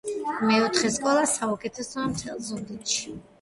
მეოთხე სკოლა საუკეთესოა მთელ ზუგდიდში